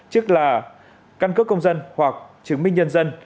chức là căn cước công dân hoặc chứng minh nhân dân